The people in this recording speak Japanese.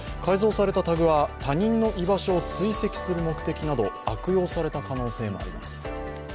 タグは他人の居場所を追跡する目的など悪用された可能性もあります。